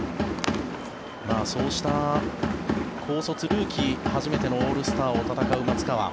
そうした高卒ルーキー初めてのオールスターを戦う松川。